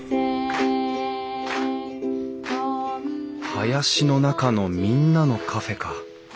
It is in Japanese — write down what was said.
「林の中のみんなのカフェ」か。